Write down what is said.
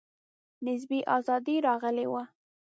نسبي آزادي راغلې وه.